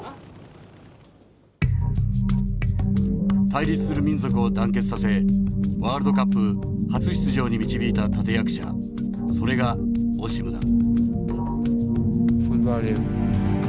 対立する民族を団結させワールドカップ初出場に導いた立て役者それがオシムだ。